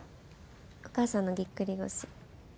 お母さんのぎっくり腰。